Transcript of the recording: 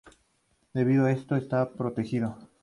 Debido a eso, está protegido.